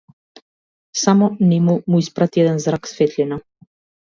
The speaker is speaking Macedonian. Само нему му испрати еден зрак светлина.